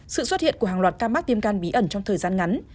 sự xuất hiện của hàng loạt ca mắc viêm gan bí ẩn trong thời gian ngắn